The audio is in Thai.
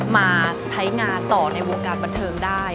มาใช้งานต่อในวงการบันเทิงได้